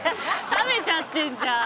「食べちゃってるじゃん」